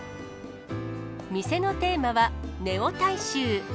店のテーマはネオ大衆。